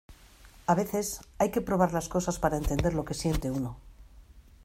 a veces, hay que probar las cosas para entender lo que siente uno.